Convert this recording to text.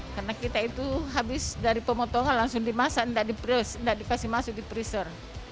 karena kita itu habis dari pemotongan langsung dimasak tidak dikasih masuk di preser